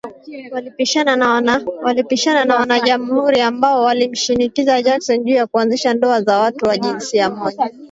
Walipishana na wanajamhuri ambao walimshinikiza Jackson juu ya kuanzisha ndoa za watu wa jinsia moja